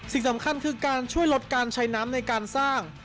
สิ่งสำคัญคือการช่วยลดการใช้น้ำในการสร้าง